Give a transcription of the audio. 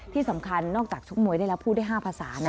ที่สำคัญนอกจากชกมวยได้แล้วพูดได้๕ภาษา